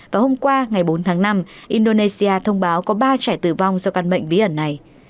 và hôm qua ngày bốn tháng năm indonesia thông báo có ba trẻ tử vong do căn bệnh bí ẩn này